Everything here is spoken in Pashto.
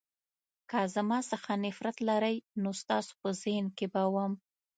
که زما څخه نفرت لرئ نو ستاسو په ذهن کې به وم.